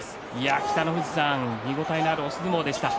北の富士さん見応えのある押し相撲でした。